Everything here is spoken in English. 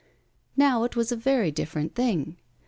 Now, it was a very different thing.